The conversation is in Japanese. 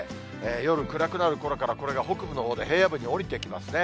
夜暗くなるころからこれが北部のほうで平野部に下りてきますね。